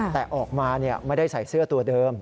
แต่ออกมาไม่ได้ใส่เสื้อตัวเดิม